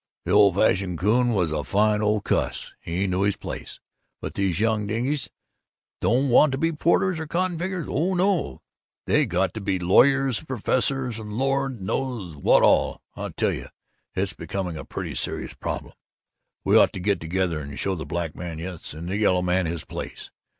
The old fashioned coon was a fine old cuss he knew his place but these young dinges don't want to be porters or cotton pickers. Oh, no! They got to be lawyers and professors and Lord knows what all! I tell you, it's becoming a pretty serious problem. We ought to get together and show the black man, yes, and the yellow man, his place.